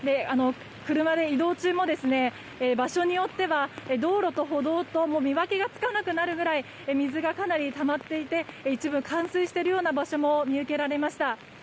車で移動中も場所によっては道路と歩道との見分けがつかなくなるぐらい水がたまっていて一部、冠水している場所も見受けられました。